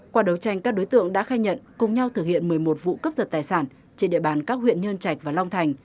qua đấu tranh các đối tượng đã khai nhận cùng nhau thực hiện một mươi một vụ cướp giật tài sản trên địa bàn các huyện nhơn trạch và long thành